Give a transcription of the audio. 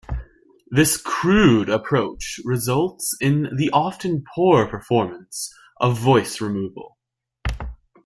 This crude approach results in the often-poor performance of voice removal.